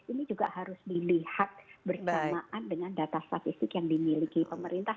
ini juga harus dilihat bersamaan dengan data statistik yang dimiliki pemerintah